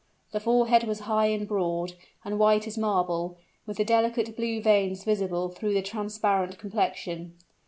The forehead was high and broad, and white as marble, with the delicate blue veins visible through the transparent complexion.